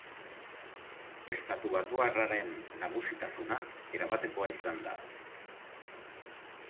Estatubatuarraren nagusitasuna erabatekoa izan da.